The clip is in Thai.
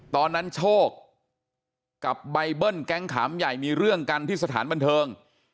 ตอนนั้นโชคกับใบเบิ้ลแก๊งขามใหญ่มีเรื่องกันที่สถานบันเทิง